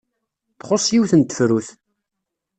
Txuṣṣ yiwet n tefrut.